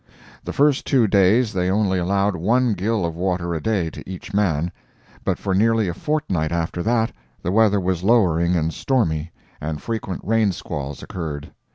The first two days they only allowed one gill of water a day to each man; but for nearly a fortnight after that the weather was lowering and stormy, and frequent rain squalls occurred.